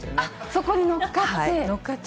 そこに乗っかって？